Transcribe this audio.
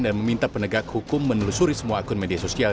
dan meminta penegak hukum menelusuri semua akun media sosial